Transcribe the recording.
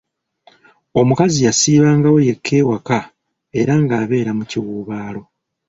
Omukazi yasiibangawo yekka ewaka era nga abeera mu kiwuubaalo.